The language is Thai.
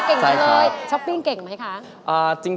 เก่งกันเลยช้อปปิ้งเก่งไหมคะใช่ครับ